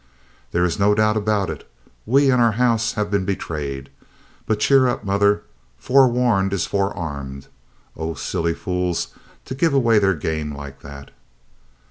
"There is no doubt about it. We and our house have been betrayed. But cheer up, mother; forewarned is forearmed. Oh, silly fools, to give away their game like that!"